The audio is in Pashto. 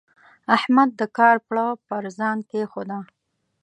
احمد د کار پړه پر ځان کېښوده.